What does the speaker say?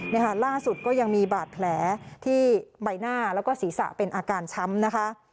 นี่ค่ะล่าสุดก็ยังมีบาดแผลที่ใบหน้าแล้วก็ศีรษะเป็นอาการช้ำนะคะ